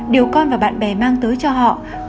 điều con và bạn bè mang tới cho họ là một lần đau đớn